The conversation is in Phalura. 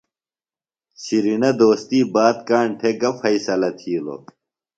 شِرینہ دوستی بات کاݨ تھےۡ گہ فیصلہ تِھیلوۡ ؟